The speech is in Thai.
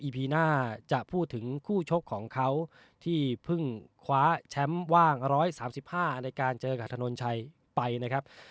พีน่าจะพูดถึงคู่ชกของเขาที่เพิ่งคว้าแชมป์ว่าง๑๓๕ในการเจอกับถนนชัยไปนะครับ